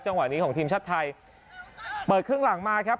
นี้ของทีมชาติไทยเปิดครึ่งหลังมาครับ